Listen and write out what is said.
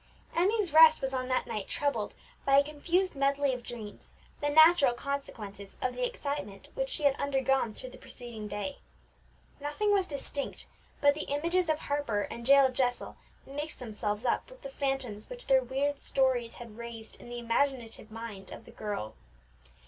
Emmie's rest was on that night troubled by a confused medley of dreams, the natural consequences of the excitement which she had undergone through the preceding day. Nothing was distinct, but the images of Harper and Jael Jessel mixed themselves up with the phantoms which their weird stories had raised in the imaginative mind of the girl.